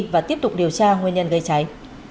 và tiếp tục điều tra nguyên nhân gây cháy